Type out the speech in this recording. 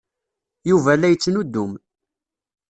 Yuba la yettnuddum.